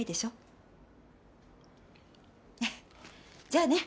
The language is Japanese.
じゃあね。